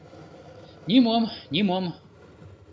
— Нимом-нимом...